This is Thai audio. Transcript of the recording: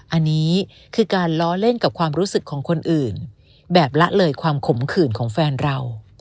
อันนี้คือการล้อเล่นกับความรู้สึกของคนอื่นแบบละเลยความขมขื่นของแฟนเรา